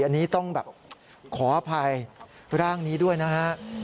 อันนี้ต้องขออภัยร่างนี้ด้วยนะครับ